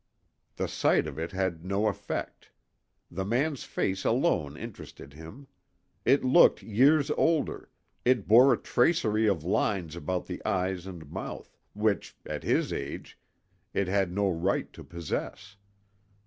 The sight of it had no effect. The man's face alone interested him. It looked years older, it bore a tracery of lines about the eyes and mouth, which, at his age, it had no right to possess.